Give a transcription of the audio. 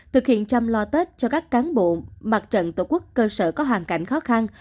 thực hiện chăm lo tết cho các cán bộ mặt trận tổ quốc cơ sở có hoàn cảnh khó khăn